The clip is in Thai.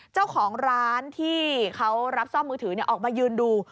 เจ้าของร้านที่เขารับซ่อมมือถือออกมายืนดู